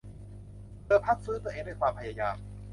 เธอพักฟื้นตัวเองด้วยความพยายาม